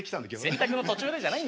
「洗濯の途中で」じゃないんですよ。